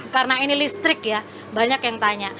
karena ini listrik ya banyak yang tanya